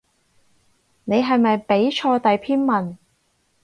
你係咪畀錯第篇文